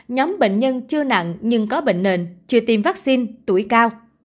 nhóm bệnh nhân chưa nặng nhưng có bệnh nền chưa tiêm vaccine tuổi cao